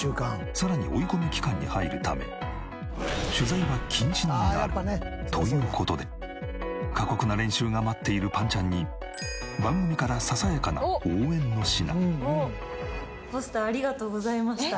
さらに追い込み期間に入るため取材は禁止になるという事で過酷な練習が待っているぱんちゃんに番組からささやかな応援の品。